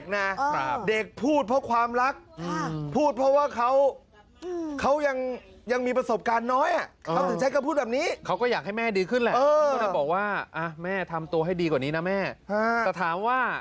นางสาวไก่นี่แหละ